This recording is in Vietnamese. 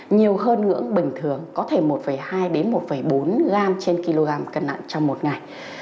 nhiều hơn ngưỡng bình thường có thể một hai một bốn gram trên kg cân nặng trong một ngày